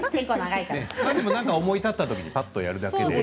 思い立ったときにぱっとやるだけで。